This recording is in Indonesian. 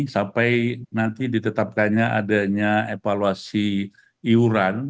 sampai nanti ditetapkannya adanya evaluasi iuran